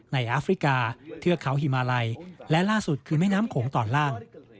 แอฟริกาเทือกเขาฮิมาลัยและล่าสุดคือแม่น้ำโขงตอนล่าง